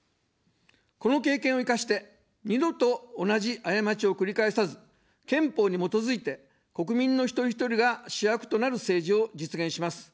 この経験を生かして、二度と同じ過ちを繰り返さず、憲法に基づいて国民の一人ひとりが主役となる政治を実現します。